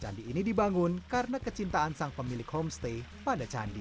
candi ini dibangun karena kecintaan sang pemilik homestay pada candi